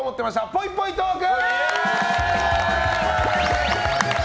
ぽいぽいトーク！